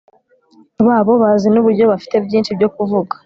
babo bazi n'uburyo bafite byinshi byo kuvuga